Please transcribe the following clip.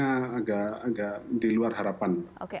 jadi kenaikannya agak di luar harapan